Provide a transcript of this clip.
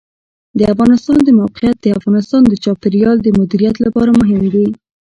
د افغانستان د موقعیت د افغانستان د چاپیریال د مدیریت لپاره مهم دي.